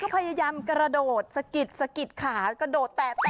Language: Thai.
พยายามกระโดดสะกิดสะกิดขากระโดดแตะ